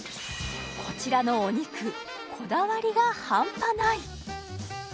こちらのお肉こだわりが半端ない！